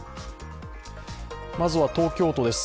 まずは東京都です。